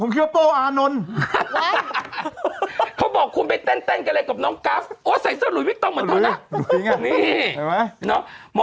คุณโทรมาตอนที่ไม่ยอมบอกลูกหน้า